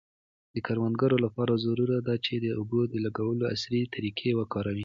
د کروندګرو لپاره ضروري ده چي د اوبو د لګولو عصري طریقې وکاروي.